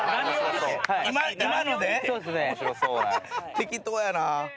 適当やな。